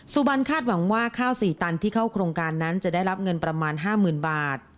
สุบันคาดหวังว่าข้าว๔ตันที่เข้าโครงการนั้นจะได้รับเงินประมาณ๕๐๐๐บาท